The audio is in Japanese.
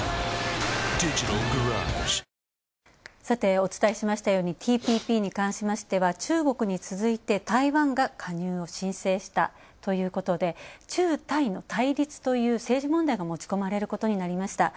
お伝えしましたようにＴＰＰに関しましては中国に続いて台湾が加入を申請したということで、中台の対立という政治問題が持ち込まれることになりました。